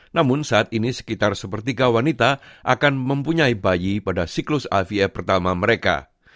namun saat ini sekitar sepertiga wanita akan mempunyai bayi pada siklus ava pertama mereka